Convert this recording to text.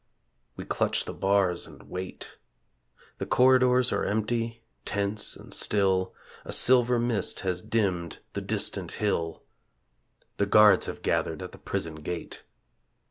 ...! We clutch the bars and wait; The corridors are empty, tense and still; A silver mist has dimmed the distant hill; The guards have gathered at the prison gate.